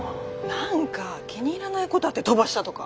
何か気に入らないことあって飛ばしたとか？